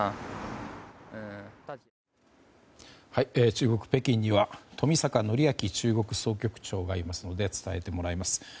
中国・北京には冨坂範明中国総局長がいますので伝えてもらいます。